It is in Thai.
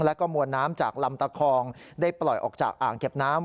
แล้วก็มวลน้ำจากลำตะคองได้ปล่อยออกจากอ่างเก็บน้ำ